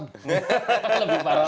tapi lebih parah gitu